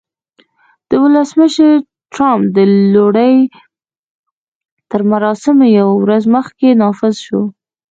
د ولسمشر ټرمپ د لوړې تر مراسمو یوه ورځ مخکې نافذ شو